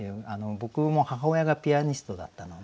僕も母親がピアニストだったので。